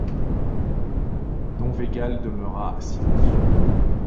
Don Végal demeura silencieux.